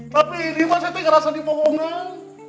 tapi ini saya merasa dipohongan